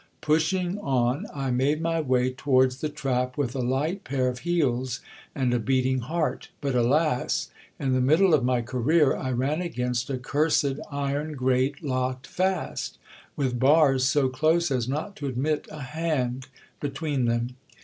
Pushing on I made my way towards the trap with a light pair of heels and a beating heart : but, alas ! in the middle ofany career I ran against a cursed iron grate locked fast, with bars so close as not to admit a hand between them.